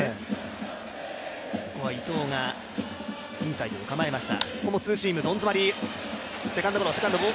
ここは伊藤がインサイトに構えました。